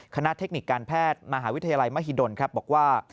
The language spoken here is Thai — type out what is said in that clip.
เทคนิคการแพทย์มหาวิทยาลัยมหิดลบอกว่า